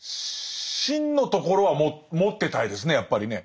芯のところは持ってたいですねやっぱりね。